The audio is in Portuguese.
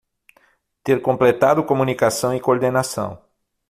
Ter completado comunicação e coordenação